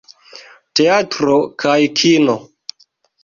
Teatro kaj kino.